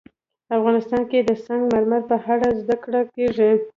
افغانستان کې د سنگ مرمر په اړه زده کړه کېږي.